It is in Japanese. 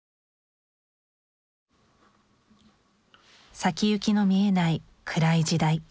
先行きの見えない暗い時代。